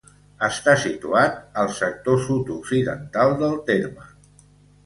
Està situat al sector sud-occidental del terme.